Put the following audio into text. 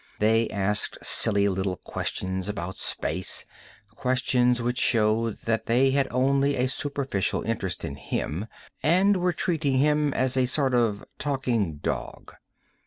They asked silly little questions about space questions which showed that they had only a superficial interest in him and were treating him as a sort of talking dog.